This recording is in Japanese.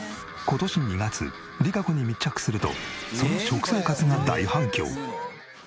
今年２月りかこに密着するとその食生活が大反響。